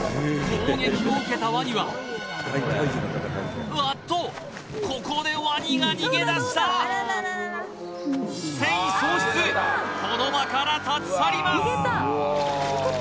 攻撃を受けたワニはあっとここでワニが逃げ出した戦意喪失この場から立ち去ります